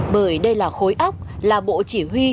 bởi đây là khối óc là bộ chỉ huy